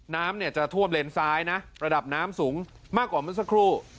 น้ำจะท่วมเลนจะท่วมซ้ายระดับน้ำสูงมากกว่าเมื่อสักครู่